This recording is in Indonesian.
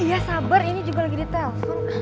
iya sabar ini juga lagi ditelepon